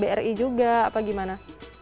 bersama kbri juga apa gimana